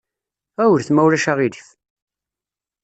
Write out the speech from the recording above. Ɣiwlet ma ulac aɣilif!